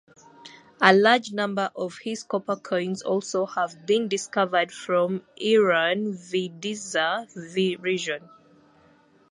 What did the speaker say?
A large number of his copper coins also have been discovered from Eran-Vidisha region.